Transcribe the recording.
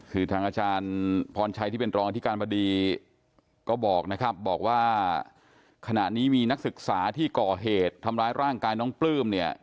คือทางอาจารย์พรชัยที่เป็นรองอธิการบดีก็บอกนะครับบอกว่าขณะนี้มีนักศึกษาที่ก่อเหตุทำร้ายร่างกายน้องปลื้มเนี่ย